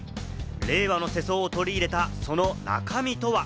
令和の世相を取り入れた、その中身とは？